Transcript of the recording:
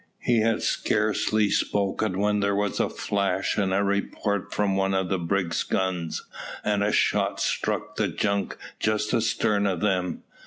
He had scarcely spoken when there was a flash and a report from one of the brig's guns, and a shot struck the junk just astern of them.